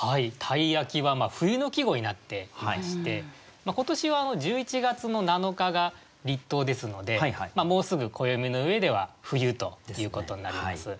「鯛焼」は冬の季語になっていまして今年は１１月の７日が立冬ですのでもうすぐ暦の上では冬ということになります。